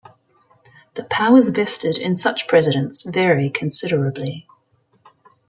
The powers vested in such presidents vary considerably.